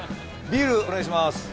ビールお願いします。